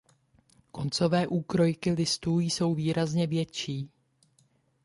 Koncové úkrojky listů jsou výrazně větší.